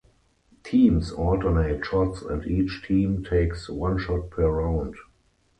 Teams alternate shots and each team takes one shot per round.